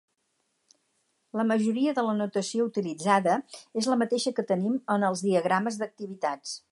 La majoria de la notació utilitzada és la mateixa que tenim en els diagrames d'activitats.